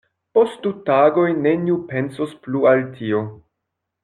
Post du tagoj neniu pensos plu al tio.